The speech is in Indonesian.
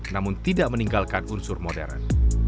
namun tidak meninggalkan unsur modern